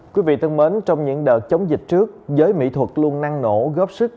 quý vị thân mến trong những đợt chống dịch trước giới mỹ thuật luôn năng nổ góp sức